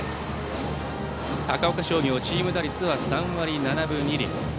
高岡商業はチーム打率は３割７分２厘。